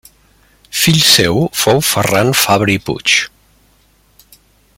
Fill seu fou Ferran Fabra i Puig.